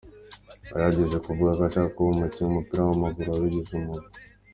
Yari yarigeze kuvuga ko ashaka kuba umukinnyi w'umupira w'amaguru wabigize umwuga.